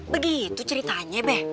begitu ceritanya be